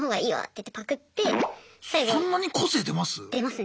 そんなに個性出ます？